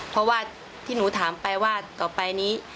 เพราะว่าที่หนูถามไปว่าต่อไปนี้